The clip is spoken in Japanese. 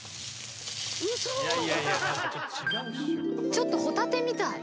ちょっとホタテみたい。